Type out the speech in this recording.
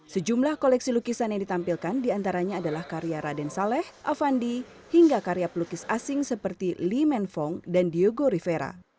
sejumlah koleksi lukisan yang ditampilkan diantaranya adalah karya raden saleh avandi hingga karya pelukis asing seperti lee menfong dan diego rivera